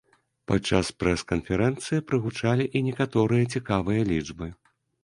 Падчас прэс-канферэнцыі прагучалі і некаторыя цікавыя лічбы.